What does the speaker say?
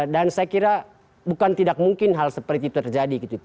dan saya kira bukan tidak mungkin hal seperti itu terjadi gitu